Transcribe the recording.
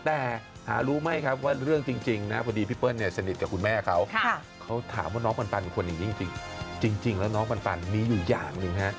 แต่หารู้ไหมครับว่าเรื่องจริงนะพอดีพี่เปิ้ลเนี่ยสนิทกับคุณแม่เขาเขาถามว่าน้องปันควรอย่างนี้จริงแล้วน้องปันมีอยู่อย่างหนึ่งฮะ